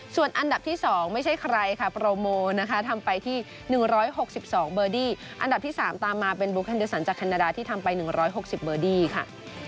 ส่วนอันดับที่๒ไม่ใช่ใครค่ะโปรโมนะคะทำไปที่๑๖๒เบอร์ดี้อันดับที่๓ตามมาเป็นบูคันเดอร์สันจากแคนาดาที่ทำไป๑๖๐เบอร์ดี้ค่ะ